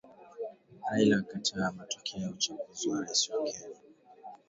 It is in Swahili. Raila akataa matokeo ya uchaguzi wa rais Kenya